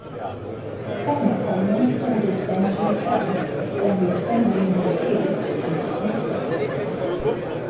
Governor Pownall ordered them to return, but when the assemblymen refused, he dismissed them.